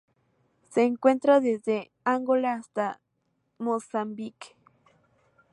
Se encuentra desde Angola hasta Mozambique.